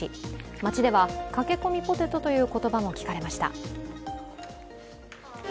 街では駆け込みポテトという言葉も聞かれました。